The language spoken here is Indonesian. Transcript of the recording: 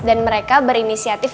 dan mereka berinisiatif